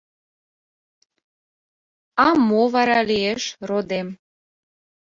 — А мо вара лиеш, родем?